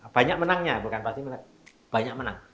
banyak menangnya bukan pasti menang banyak menang